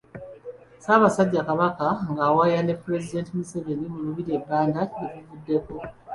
Ssaabasajja Kabaka ng'awaya ne pulezidenti Museveni mu lubiri e Banda gye buvuddeko.